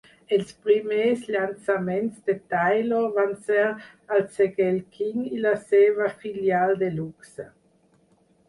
Els primers llançaments de Taylor van ser al segell King i la seva filial DeLuxe.